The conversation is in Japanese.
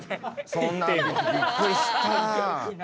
そんなんびっくりした。